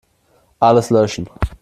Alles löschen.